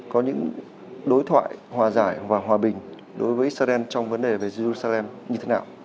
có những đối thoại hòa giải và hòa bình đối với israel trong vấn đề về giê ru sa lem như thế nào